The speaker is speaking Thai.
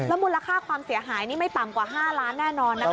มูลค่าความเสียหายนี่ไม่ต่ำกว่า๕ล้านแน่นอนนะคะ